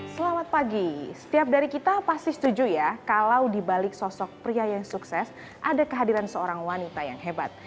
selamat pagi setiap dari kita pasti setuju ya kalau dibalik sosok pria yang sukses ada kehadiran seorang wanita yang hebat